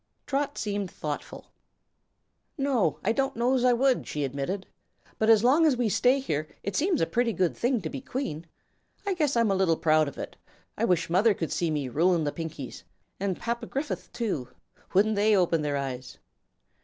Trot seemed thoughtful. "No; I don't know's I would," she admitted. "But as long as we stay here it seems a pretty good thing to be Queen. I guess I'm a little proud of it. I wish mother could see me rulin' the Pinkies an' Papa Griffith, too. Wouldn't they open their eyes?"